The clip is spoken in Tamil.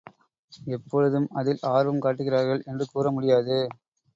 எப்பொழுதும் அதில் ஆர்வம் காட்டுகிறார்கள் என்று கூறமுடியாது.